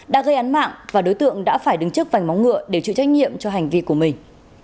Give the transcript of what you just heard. đã gây án mạng và đối tượng đã phải đứng trước vành móng ngựa để chịu trách nhiệm cho hành vi của mình